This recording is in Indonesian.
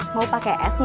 mau pake es gak